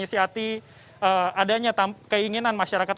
untuk menyiasati adanya keinginan masyarakat